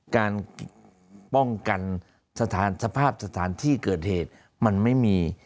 การป้องกันสถานสภาพสถานที่เกิดเหตุมันไม่มี